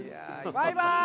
バイバーイ！